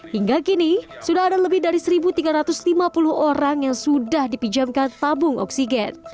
hingga kini sudah ada lebih dari satu tiga ratus lima puluh orang yang sudah dipinjamkan tabung oksigen